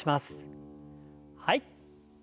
はい。